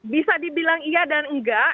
bisa dibilang iya dan enggak